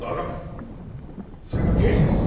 それが刑事です。